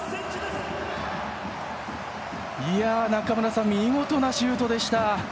中村さん、見事なシュートでした。